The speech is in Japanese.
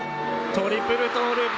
トリプルトーループ。